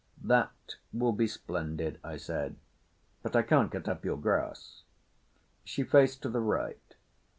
"That will be splendid," I said. "But I can't cut up your grass." She faced to the right.